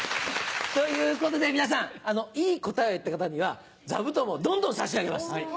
ということで皆さんいい答えを言った方には座布団をどんどん差し上げます。